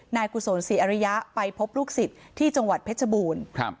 กุศลศรีอริยะไปพบลูกศิษย์ที่จังหวัดเพชรบูรณ์ครับ